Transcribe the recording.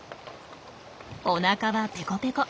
おなかはペコペコ。